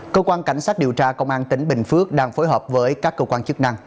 cơ quan cảnh sát điều tra công an tỉnh bình phước đang phối hợp với các cơ quan chức năng